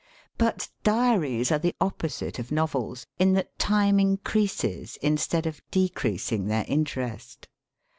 But diaries are the opposite of novels, in that time increases instead of decreasing their interest.